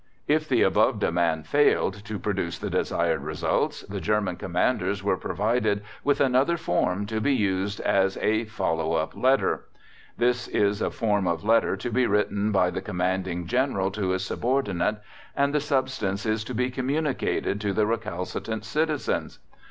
If the above demand failed to produce the desired results, the German Commanders were provided with another form to be used as a "follow up" letter. This is a form of letter to be written by the Commanding General to his subordinate, and the substance is to be communicated to the recalcitrant citizens.